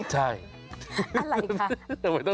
ใช่อะไรคะ